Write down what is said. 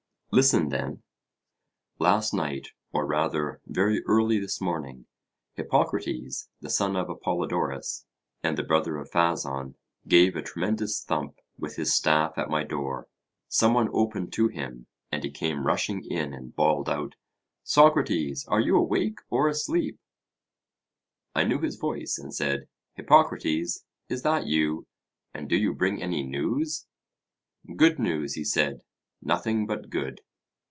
Listen then: Last night, or rather very early this morning, Hippocrates, the son of Apollodorus and the brother of Phason, gave a tremendous thump with his staff at my door; some one opened to him, and he came rushing in and bawled out: Socrates, are you awake or asleep? I knew his voice, and said: Hippocrates, is that you? and do you bring any news? Good news, he said; nothing but good.